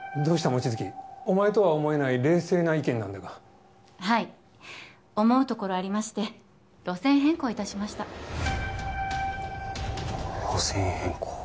望月お前とは思えない冷静な意見なんだがはい思うところありまして路線変更いたしました路線変更